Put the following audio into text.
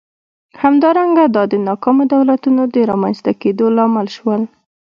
همدارنګه دا د ناکامو دولتونو د رامنځته کېدو لامل شول.